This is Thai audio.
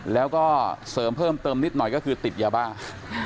แล้วก็เสริมเพิ่มเติมนิดหน่อยก็คือติดยาบ้า